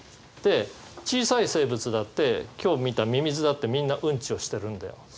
で小さい生物だって今日見たミミズだってみんなうんちをしてるんだよ。